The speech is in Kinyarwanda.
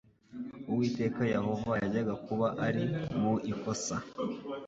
Uwiteka Yehoya yajyaga kuba ari mu ikosa,